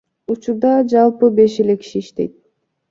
Учурда жалпы беш эле киши иштейт.